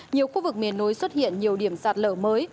nhiều khu vực miền núi xuất hiện nhiều điểm sạt lở mới